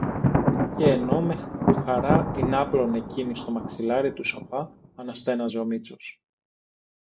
Κι ενώ με χαρά την άπλωνε κείνη στο μαξιλάρι τού σοφά, αναστέναζε ο Μήτσος.